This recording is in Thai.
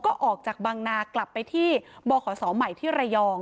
ก็ออกจากบางนากลับไปที่บขศใหม่ที่ระยอง